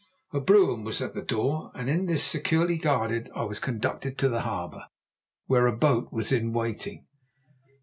A brougham was at the door and in this, securely guarded, I was conducted to the harbour, where a boat was in waiting.